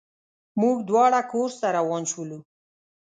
موږ دواړه کورس ته روان شولو.